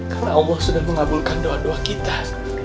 karena allah sudah mengabulkan doa doa kita